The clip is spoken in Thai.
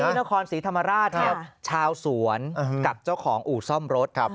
นครศรีธรรมราชชาวสวนกับเจ้าของอู่ซ่อมรถ